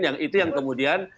yang itu yang kemudian